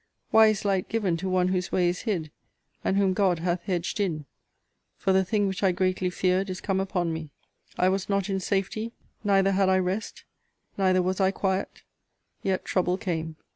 Why is light given to one whose way is hid; and whom God hath hedged in? For the thing which I greatly feared is come upon me! I was not in safety; neither had I rest; neither was I quiet; yet trouble came.